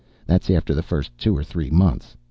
That's after the first two or three months.